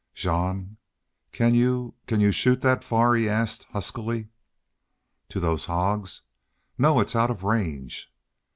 "Jean can you can you shoot that far?" he asked, huskily. "To those hogs? No, it's out of range."